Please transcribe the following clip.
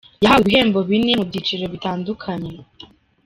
Yahawe ibihembo bine mu byiciro bitandukanye.